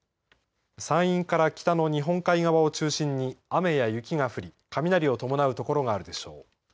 山陰から北の日本海側を中心に雨や雪が降り雷を伴う所があるでしょう。